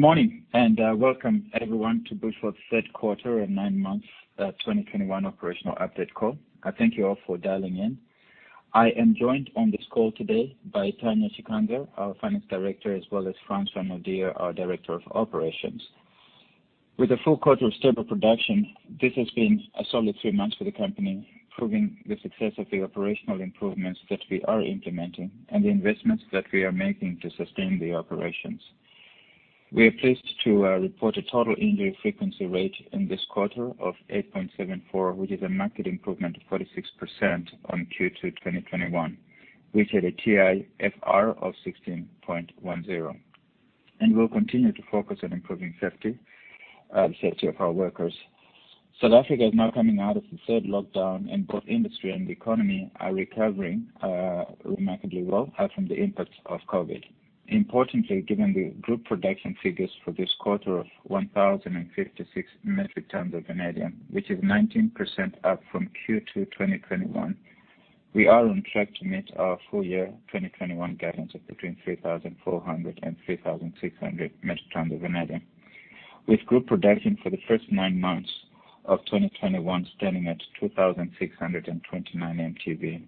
Good morning, and welcome everyone to Bushveld Minerals' 3rd quarter and nine months 2021 operational update call. I thank you all for dialing in. I am joined on this call today by Tanya Chikanza, our Finance Director, as well as Frans van der Merwe, our Director of Operations. With a full quarter of stable production, this has been a solid three months for the company, proving the success of the operational improvements that we are implementing and the investments that we are making to sustain the operations. We are pleased to report a total injury frequency rate in this quarter of 8.74, which is a marked improvement of 46% on Q2 2021, which had a TIFR of 16.10. We'll continue to focus on improving safety of our workers. South Africa is now coming out of the third lockdown and both industry and the economy are recovering remarkably well from the impact of COVID. Importantly, given the group production figures for this quarter of 1,056 metric tons of vanadium, which is 19% up from Q2 2021. We are on track to meet our full year 2021 guidance of between 3,400 and 3,600 metric tons of vanadium, with group production for the first nine months of 2021 standing at 2,629 mtV.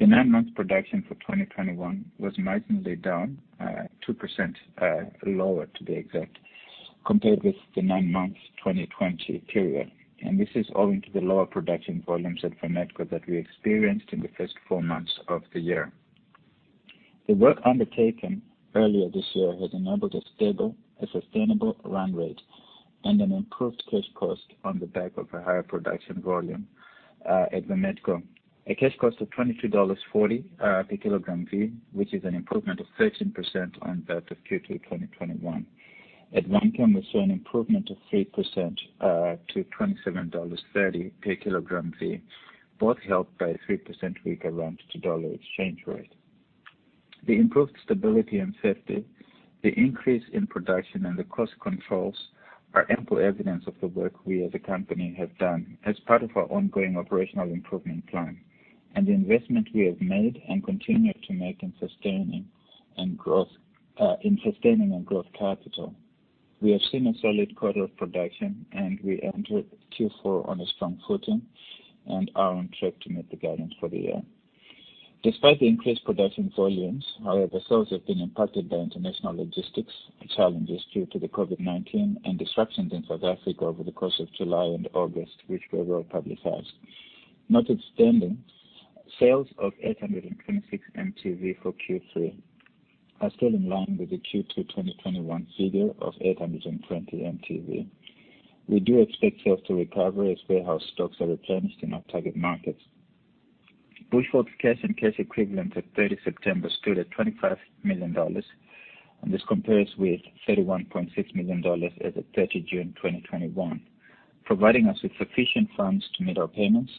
The nine month production for 2021 was marginally down, 2% lower to be exact, compared with the nine months 2020 period. This is owing to the lower production volumes at Vametco that we experienced in the first four months of the year. The work undertaken earlier this year has enabled a stable and sustainable run rate and an improved cash cost on the back of a higher production volume at Vametco. A cash cost of $22.40 per kgV, which is an improvement of 13% on that of Q2 2021. At Vanchem, we saw an improvement of 3% to $27.30 per kgV, both helped by a 3% weaker Rand-to-dollar exchange rate. The improved stability and safety, the increase in production, and the cost controls are ample evidence of the work we as a company have done as part of our ongoing operational improvement plan, and the investment we have made and continue to make in sustaining and growth capital. We have seen a solid quarter of production, and we entered Q4 on a strong footing and are on track to meet the guidance for the year. Despite the increased production volumes, however, sales have been impacted by international logistics challenges due to the COVID-19 and disruptions in South Africa over the course of July and August, which were well publicized. Notwithstanding sales of 826 mtV for Q3 are still in line with the Q2 2021 figure of 820 mtV. We do expect sales to recover as warehouse stocks are replenished in our target markets. Bushveld's cash and cash equivalents at 30 September stood at $25 million, and this compares with $31.6 million as at 30 June 2021, providing us with sufficient funds to meet our payments.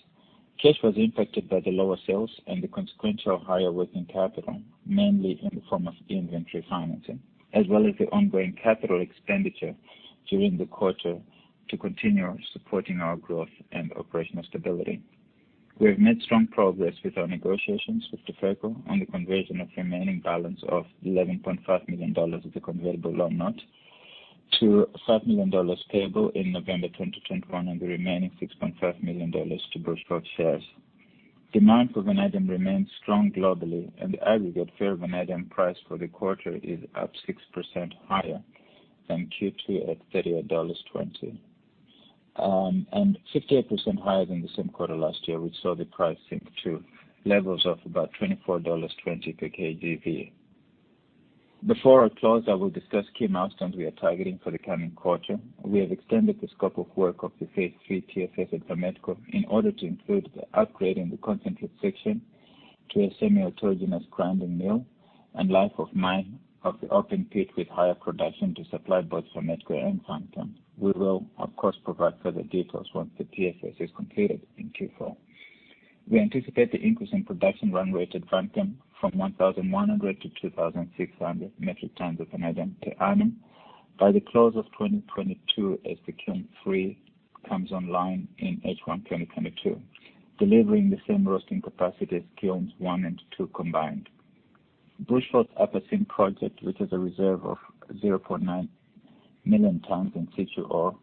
Cash was impacted by the lower sales and the consequential higher working capital, mainly in the form of inventory financing, as well as the ongoing capital expenditure during the quarter to continue supporting our growth and operational stability. We have made strong progress with our negotiations with Duferco on the conversion of remaining balance of $11.5 million with the convertible loan note to $5 million payable in November 2021 and the remaining $6.5 million to Bushveld shares. Demand for vanadium remains strong globally, and the aggregate ferrovanadium price for the quarter is up 6% higher than Q2 at $38.20. 58% higher than the same quarter last year, which saw the price sink to levels of about $24.20 per kgV. Before I close, I will discuss key milestones we are targeting for the coming quarter. We have extended the scope of work of the phase three TSF at Vametco in order to include the upgrading the concentrate section to a semi-autogenous grinding mill and life of mine of the open pit with higher production to supply both Vametco and Vanchem. We will, of course, provide further details once the TSF is completed in Q4. We anticipate the increase in production run rate at Vanchem from 1,100 to 2,600 metric tons of vanadium per annum by the close of 2022 as the kiln three comes online in H1 2022, delivering the same roasting capacity as kilns one and two combined. Bushveld's Upper Seam project, which is a reserve of 0.9 million tons in situ ore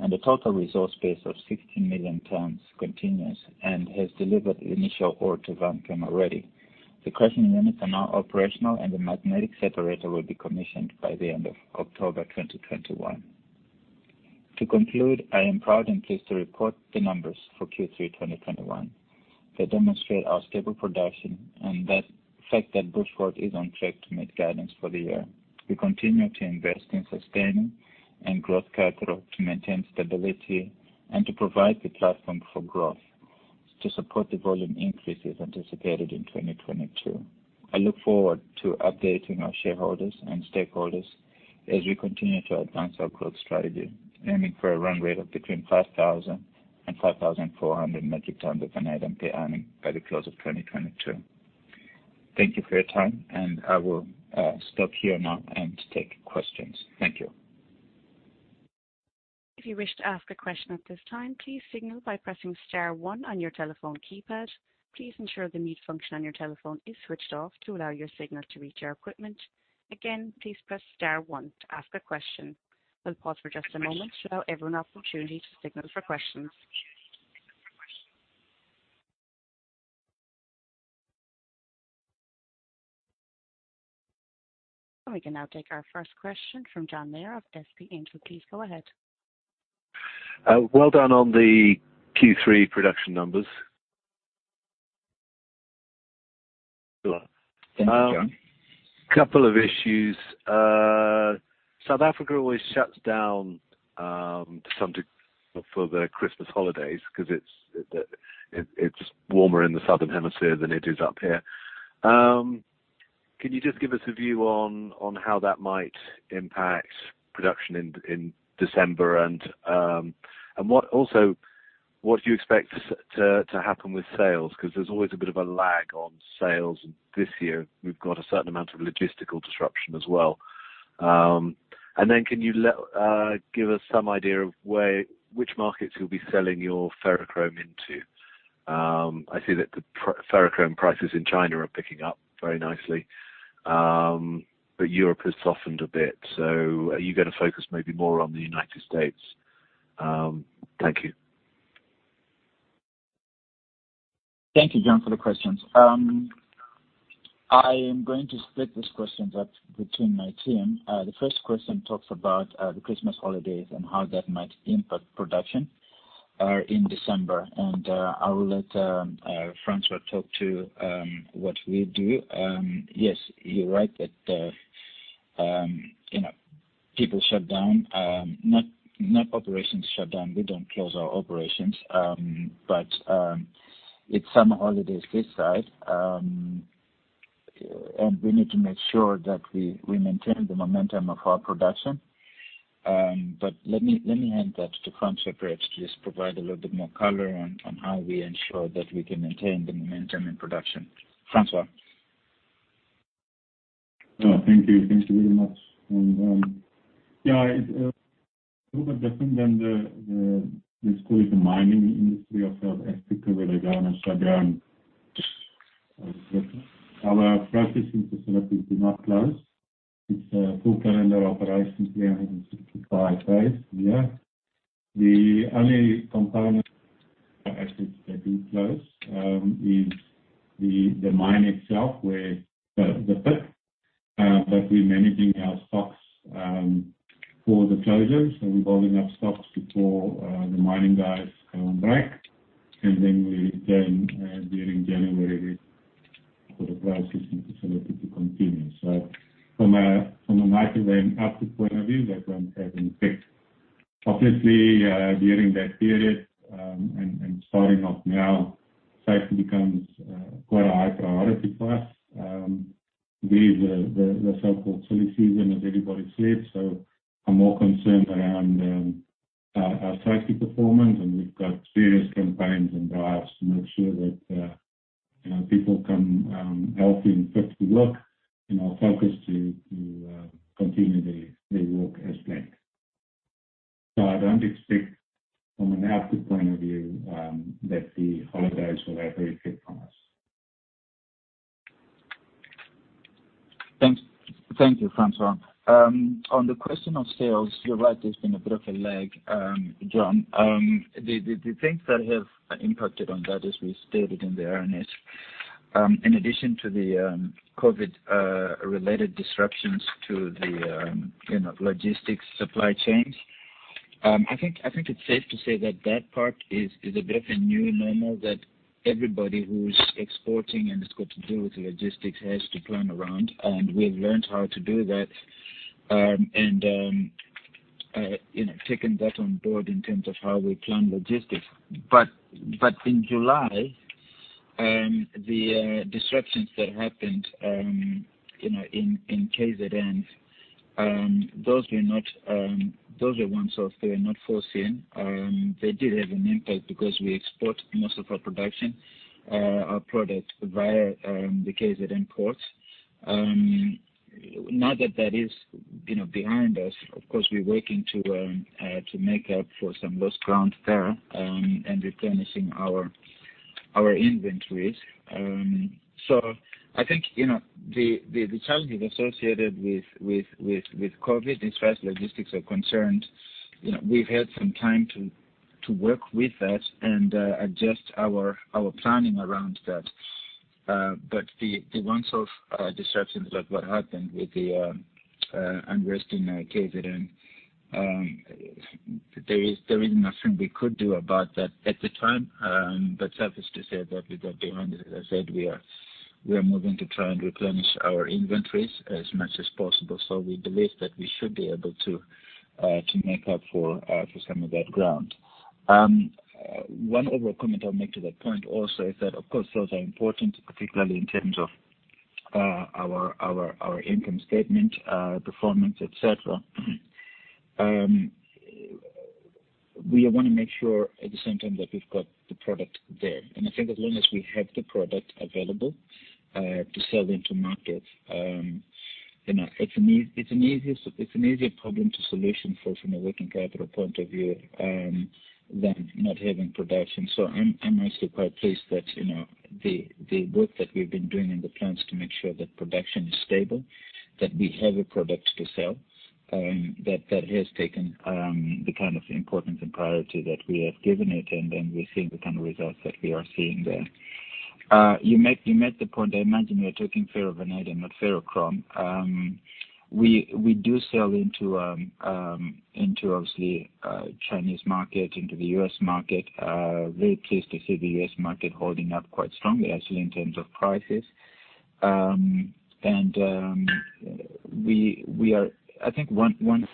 and a total resource base of 16 million tons continuous and has delivered initial ore to Vanchem already. The crushing units are now operational, and the magnetic separator will be commissioned by the end of October 2021. To conclude, I am proud and pleased to report the numbers for Q3 2021. They demonstrate our stable production and the fact that Bushveld is on track to meet guidance for the year. We continue to invest in sustaining and growth capital to maintain stability and to provide the platform for growth to support the volume increases anticipated in 2022. I look forward to updating our shareholders and stakeholders as we continue to advance our growth strategy, aiming for a run rate of between 5,000 and 5,400 metric tons of vanadium per annum by the close of 2022. Thank you for your time, and I will stop here now and take questions. Thank you. We can now take our first question from John Meyer of SP Angel. Please go ahead. Well done on the Q3 production numbers. Thank you, John. Couple of issues. South Africa always shuts down for the Christmas holidays because it's warmer in the southern hemisphere than it is up here. Can you just give us a view on how that might impact production in December, and also what do you expect to happen with sales? Because there's always a bit of a lag on sales, and this year we've got a certain amount of logistical disruption as well. Can you give us some idea of which markets you'll be selling your ferrovanadium into? I see that the ferrovanadium prices in China are picking up very nicely. Europe has softened a bit, so are you going to focus maybe more on the U.S.? Thank you. Thank you, John, for the questions. I am going to split these questions up between my team. I will let Francois talk to what we do. Yes, you're right that people shut down. Not operations shut down. We don't close our operations. It's summer holidays this side, and we need to make sure that we maintain the momentum of our production. Let me hand that to Francois, perhaps, to just provide a little bit more color on how we ensure that we can maintain the momentum in production. Francois? Thank you. Thank you very much. Yeah, it's a little bit different than the mining industry of South Africa, where they go on a shutdown. Our processing facilities do not close. It's a full calendar operations, 365 days a year. The only component or assets that do close is the mine itself, the pit, but we're managing our stocks for the closure. We've got enough stocks before the mining guys go on break. Then we then, during January, for the processing facility to continue. From a mining and asset point of view, that won't have an effect. Obviously, during that period, and starting off now, safety becomes quite a high priority for us. This is the so-called silly season, as everybody says. I'm more concerned around our safety performance, and we've got various campaigns and drives to make sure that people come healthy and fit to work and are focused to continue their work as planned. I don't expect from an output point of view that the holidays will have an effect on us. Thank you, Frans. On the question of sales, you're right, there's been a bit of a lag, John. The things that have impacted on that, as we stated in the RNS, in addition to the COVID-related disruptions to the logistics supply chains, I think it's safe to say that part is a bit of a new normal that everybody who's exporting and has got to do with logistics has to plan around. We've learned how to do that and taken that on board in terms of how we plan logistics. In July, the disruptions that happened in KZN, those are ones that were not foreseen. They did have an impact because we export most of our production, our product, via the KZN ports. That that is behind us, of course, we're working to make up for some lost ground there and replenishing our inventories. I think the challenges associated with COVID, as far as logistics are concerned, we've had some time to work with that and adjust our planning around that. The once-off disruptions, like what happened with the unrest in KZN, there is nothing we could do about that at the time. Suffice to say that with that behind us, as I said, we are moving to try and replenish our inventories as much as possible. We believe that we should be able to make up for some of that ground. One other comment I'll make to that point also is that, of course, sales are important, particularly in terms of our income statement, performance, et cetera. We want to make sure at the same time that we've got the product there. I think as long as we have the product available to sell into markets. It's an easier problem to solution for from a working capital point of view than not having production. I'm actually quite pleased that the work that we've been doing in the plants to make sure that production is stable, that we have a product to sell, that has taken the kind of importance and priority that we have given it, and then we're seeing the kind of results that we are seeing there. You made the point, I imagine you are talking ferrovanadium, not ferrochrome. We do sell into, obviously, Chinese market, into the U.S. market. Very pleased to see the U.S. market holding up quite strongly, actually, in terms of prices. We are, I think Q2,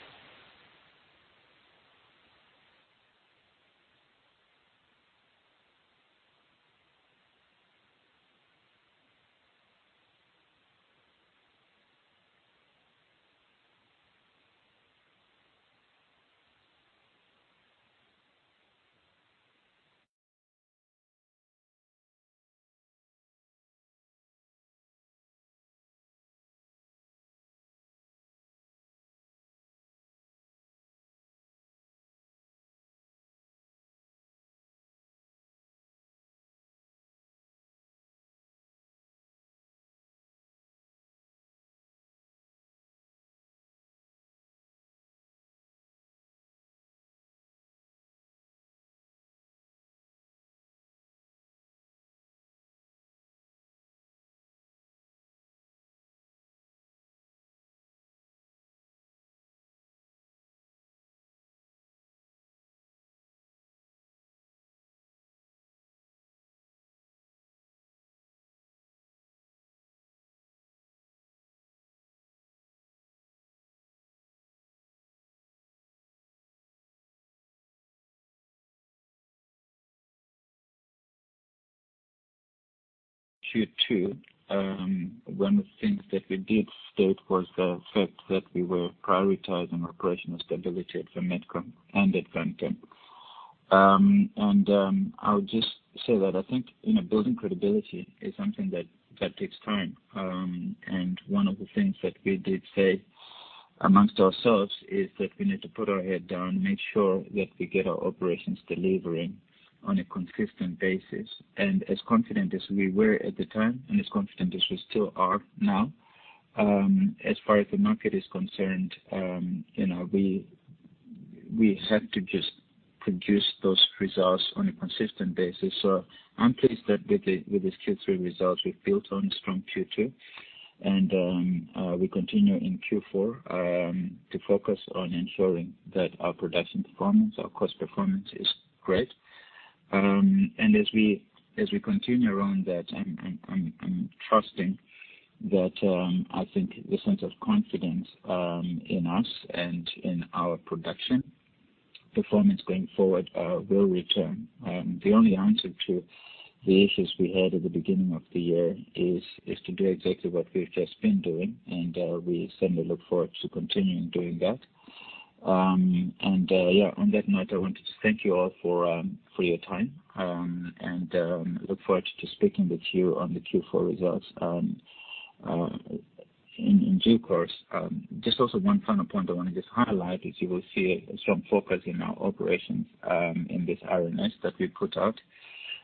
one of the things that we did state was the fact that we were prioritizing operational stability at Vametco and at Vanchem. I would just say that I think building credibility is something that takes time. One of the things that we did say amongst ourselves is that we need to put our head down, make sure that we get our operations delivering on a consistent basis. As confident as we were at the time, and as confident as we still are now, as far as the market is concerned, we have to just produce those results on a consistent basis. I'm pleased that with these Q3 results, we've built on a strong Q2, and we continue in Q4, to focus on ensuring that our production performance, our cost performance is great. As we continue around that, I'm trusting that, I think the sense of confidence in us and in our production performance going forward will return. The only answer to the issues we had at the beginning of the year is to do exactly what we have just been doing, and we certainly look forward to continuing doing that. Yeah, on that note, I wanted to thank you all for your time. Look forward to speaking with you on the Q4 results in due course. Just also one final point I want to just highlight is you will see a strong focus in our operations, in this RNS that we put out.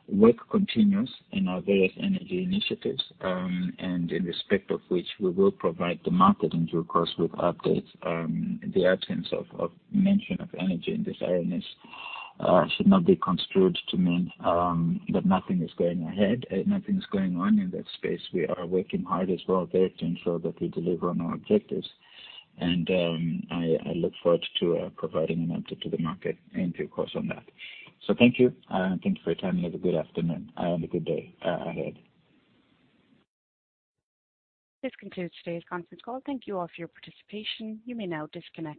Work continues in our various energy initiatives, and in respect of which we will provide the market in due course with updates. The absence of mention of energy in this RNS should not be construed to mean that nothing is going ahead, nothing's going on in that space. We are working hard as well there to ensure that we deliver on our objectives. I look forward to providing an update to the market in due course on that. Thank you. Thank you for your time and have a good afternoon and a good day ahead. This concludes today's conference call. Thank you all for your participation. You may now disconnect.